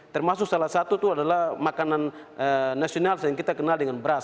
termasuk salah satu itu adalah makanan nasional yang kita kenal dengan beras